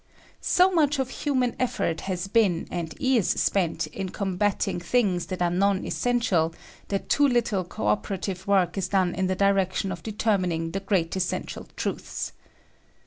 So much of human effort has been and is spent in combating things that are non essential, that too little co operative work is done in the direction of determining the great essential truths.